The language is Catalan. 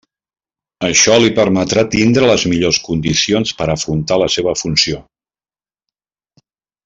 Això li permetrà tindre les millors condicions per afrontar la seva funció.